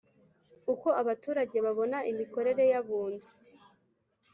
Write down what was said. Uko abaturage babona imikorere y abunzi